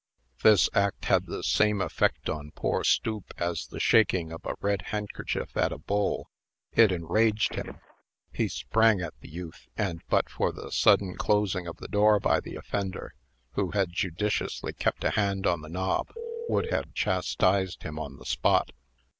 This act had the same effect on poor Stoop as the shaking of a red handkerchief at a bull. It enraged him. He sprang at the youth, and, but for the sudden closing of the door by the offender, who had judiciously kept a hand on the knob, would have chastised him on the spot.